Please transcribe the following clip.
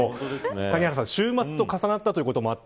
谷原さん週末と重なったこともあって